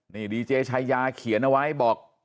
นี่ดีเจชายาเขียนเอาไว้บอก